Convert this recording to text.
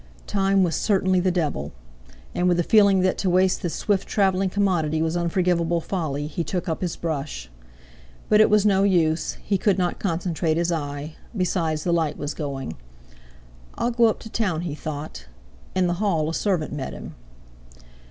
Time was certainly the devil! And with the feeling that to waste this swift travelling commodity was unforgivable folly, he took up his brush. But it was no use; he could not concentrate his eye—besides, the light was going. "I'll go up to town," he thought. In the hall a servant met him.